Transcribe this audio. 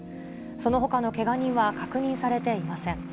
そのほかのけが人は確認されていません。